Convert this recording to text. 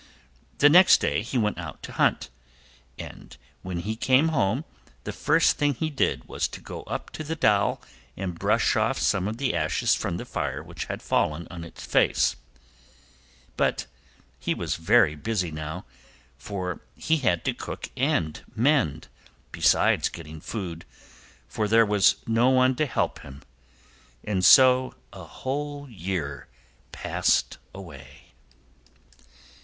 The next day he went out to hunt, and when he came home the first thing he did was to go up to the doll and brush off some of the ashes from the fire which had fallen on its face. But he was very busy now, for he had to cook and mend, besides getting food, for there was no one to help him. And so a whole year passed away.